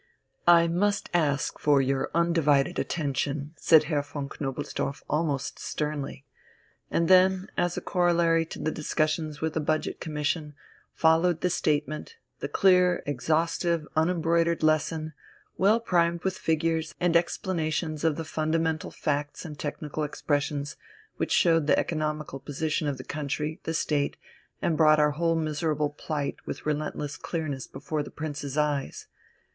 "I must ask for your undivided attention," said Herr von Knobelsdorff almost sternly. And then, as a corollary to the discussions with the Budget Commission, followed the statement, the clear, exhaustive, unembroidered lesson, well primed with figures and explanations of the fundamental facts and technical expressions, which showed the economical position of the country, the State, and brought our whole miserable plight with relentless clearness before the Prince's eyes.